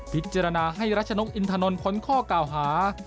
พิจารณาให้รัชนกอินทนนท้นข้อกล่าวหา